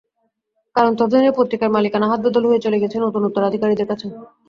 কারণ ততদিনে পত্রিকার মালিকানা হাতবদল হয়ে চলে গেছে নতুন উত্তরাধিকারীর কাছে।